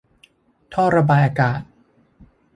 ท่อระบายอากาศ